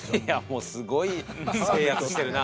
もうすごい制圧してるな。